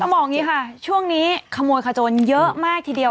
ต้องบอกกับนี้ครับช่วงนี้ขโมยขจรเยอะมากทีเดียว